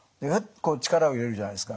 こう力を入れるじゃないですか。